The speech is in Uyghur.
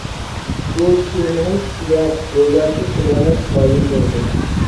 بۇ كېمىنىڭ ئىچىدە گوياكى قىيامەت قايىم بولدى.